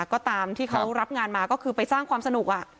ก็ตามที่เขารับงานมาก็คือไปสร้างความสนุก